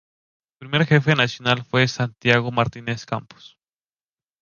Su primer Jefe Nacional fue Santiago Martínez-Campos.